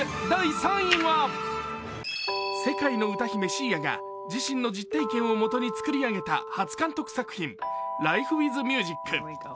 第３位は、世界の歌姫Ｓｉａが自身の実体験をもとに作り上げた初監督作品「ライフ・ウィズ・ミュージック」。